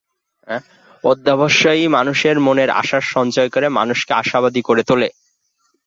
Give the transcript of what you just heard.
অধ্যবসায়ই মানুষের মনে আশার সঞ্চার করে মানুষকে আশাবাদী করে তোলে।